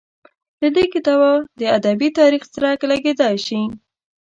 له دې کتابه د ادبي تاریخ څرک لګېدای شي.